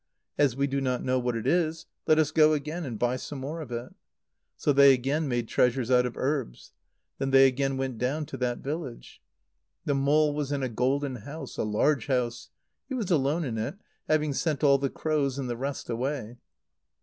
As we do not know what it is, let us go again and buy some more of it." So they again made treasures out of herbs. Then they again went down to that village. The mole was in a golden house a large house. He was alone in it, having sent all the crows and the rest away.